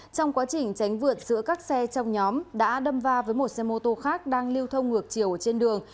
trong quá trình tránh vượt giữa các xe trong nhóm đã đâm va với một xe mô tô khác đang lưu thông ngược chiều trên đường